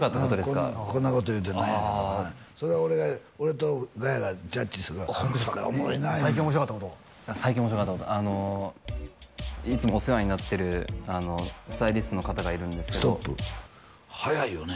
うんこんなこと言うて何やけどそれを俺とガヤがジャッジするから最近面白かったこと最近面白かったことあのいつもお世話になってるスタイリストの方がいるんですけどストップはやいよね